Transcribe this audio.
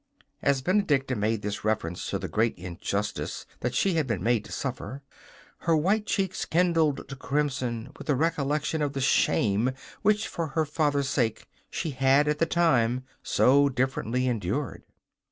As Benedicta made this reference to the great injustice that she had been made to suffer, her white cheeks kindled to crimson with the recollection of the shame which for her father's sake she had, at the time of it, so differently endured.